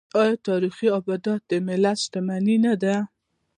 آیا تاریخي ابدات د ملت شتمني نه ده؟